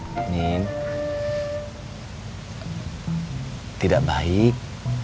mimin tidak baik